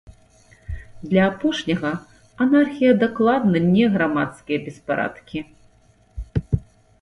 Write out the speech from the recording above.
Для апошняга, анархія дакладна не грамадскія беспарадкі.